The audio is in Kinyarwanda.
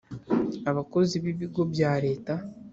abakozi b Ibigo bya Leta